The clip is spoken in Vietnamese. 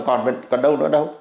còn đâu nữa đâu